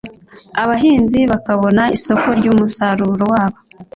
abahinzi bakabona isoko ry'umusaruro wabo